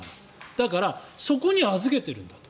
だからそこに預けているんだと。